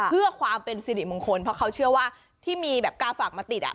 เพื่อความเป็นสิริมงคลเพราะเขาเชื่อว่าที่มีแบบกาฝากมาติดอ่ะ